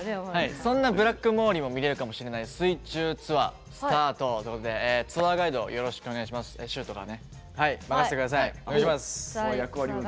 そんなブラックモーリーも見れるかもしれない水中ツアースタートということで任せてください。